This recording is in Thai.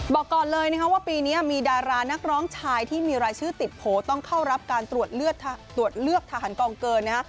บอกก่อนเลยนะครับว่าปีนี้มีดารานักร้องชายที่มีรายชื่อติดโผล่ต้องเข้ารับการตรวจเลือกทหารกองเกินนะฮะ